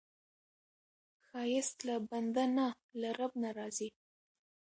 ښایست له بنده نه، له رب نه راځي